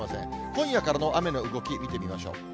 今夜からの雨の動き、見てみましょう。